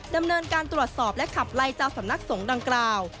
ดำเนินการตรวจสอบและขับไล่เจ้าสำนักสงฆ์ดังกล่าว